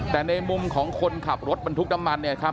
แต่ในมุมของคนขับรถบรรทุกน้ำมันเนี่ยครับ